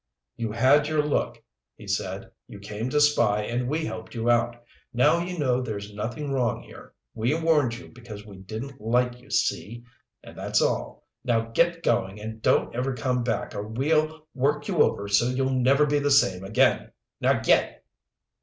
"You had your look," he said. "You came to spy and we helped you out. Now you know there's nothin' wrong here. We warned you because we didn't like you, see? And that's all. Now get goin' and don't ever come back, or we'll work you over so you'll never be the same again. Now git!"